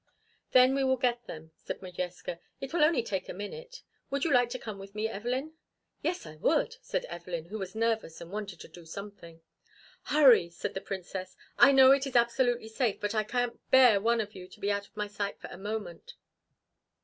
"Then we will get them," said Modjeska. "It will only take a minute. Would you like to come with me, Evelyn?" "Yes, I would!" said Evelyn, who was nervous and wanted to do something. "Hurry!" said the Princess. "I know it is absolutely safe, but I can't bear one of you out of my sight for a moment."